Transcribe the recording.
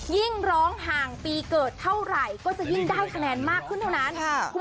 ยิ่งร้องห่างปีเกิดเท่าไหร่ก็ยิ่งร้องใหญ่แทนมากขึ้นเท่านั้นค่ะ